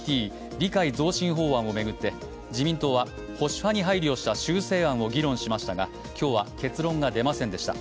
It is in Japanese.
理解増進法案を巡って、自民党は保守派に配慮した修正案を議論しましたが今日は結論が出ませんでした。